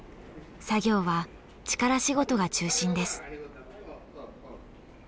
作業は力仕事が中心です。